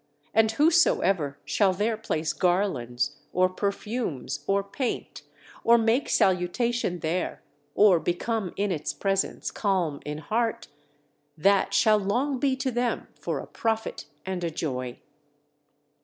And whosoever shall there place garlands or perfumes or paint, or make salutation there, or become in its presence calm in heart that shall long be to them for a profit and a joy."